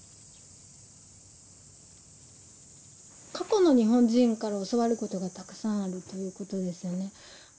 過去の日本人から教わることがたくさんあるということですよね。